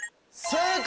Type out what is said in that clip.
正解！